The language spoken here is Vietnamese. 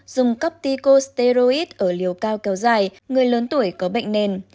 dùng cấp tico steroid ở liều cao kéo dài người lớn tuổi có bệnh nền